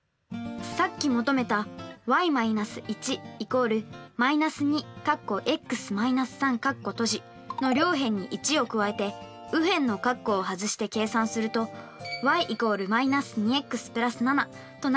さっき求めたｙ−１＝−２の両辺に１を加えて右辺の括弧を外して計算するとｙ＝−２ｘ＋７となるので切片は７です。